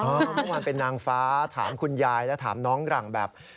คุณจอมขวัญเป็นนางฟ้าถามคุณยายและถามน้องรังแบบ